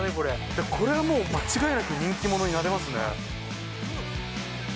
これはもう間違いなく人気者になれますね。